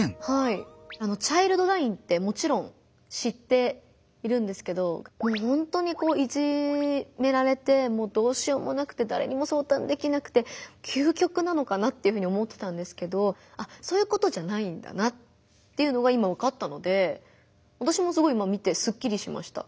チャイルドラインってもちろん知っているんですけどもう本当にいじめられてもうどうしようもなくてだれにも相談できなくて究極なのかなって思ってたんですけどそういうことじゃないんだなっていうのが今わかったので私もすごい今見てすっきりしました。